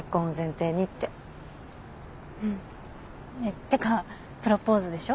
うんてかプロポーズでしょ？